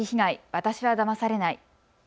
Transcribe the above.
私はだまされない。